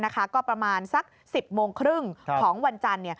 ก็ประมาณสัก๑๐โมงครึ่งของวันจันทร์